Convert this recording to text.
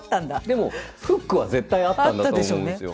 でもフックは絶対あったんだと思うんですよ。